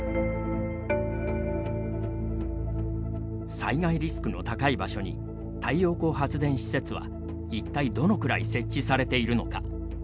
災害リスクの高い場所に太陽光発電施設は、一体どのくらい設置されているのか。